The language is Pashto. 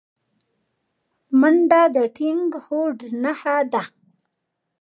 منډه د ټینګ هوډ نښه ده